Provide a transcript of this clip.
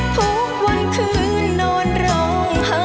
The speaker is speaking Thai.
ทุกวันคืนนอนร้องไห้